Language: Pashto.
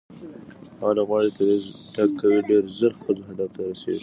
هغه لوبغاړی چې تېز تګ کوي ډېر ژر خپل هدف ته رسیږي.